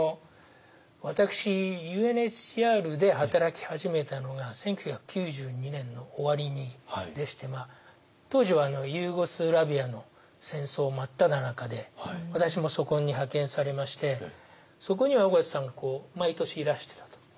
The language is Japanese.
私ＵＮＨＣＲで働き始めたのが１９９２年の終わりでして当時はユーゴスラビアの戦争真っただ中で私もそこに派遣されましてそこには緒方さんが毎年いらしてたと。